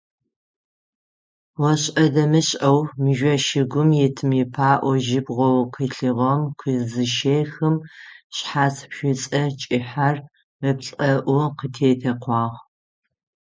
Ошӏэ-дэмышӏэу мыжъо шыгум итым ипаӏо жьыбгъэу къилъыгъэм къызыщехым, шъхьац шӏуцӏэ кӏыхьэр ыплӏэӏу къытетэкъуагъ.